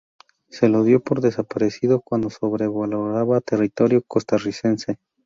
Se lo dio por desaparecido cuando sobrevolaba territorio costarricense.